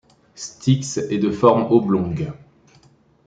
Styx est de forme oblongue.